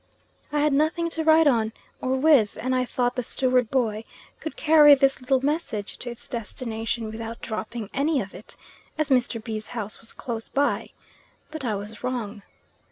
I had nothing to write on, or with, and I thought the steward boy could carry this little message to its destination without dropping any of it, as Mr. B.'s house was close by; but I was wrong.